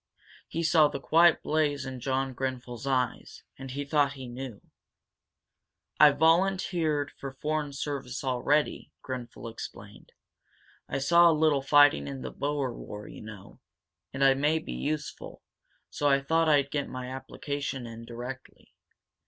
He saw the quiet blaze in John Grenfel's eyes, and he thought he knew. "I've volunteered for foreign service already," Grenfel explained. "I saw a little fighting in the Boer war, you know. And I may be useful. So I thought I'd get my application in directly.